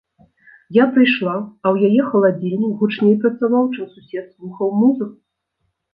Я прыйшла, а ў яе халадзільнік гучней працаваў, чым сусед слухаў музыку!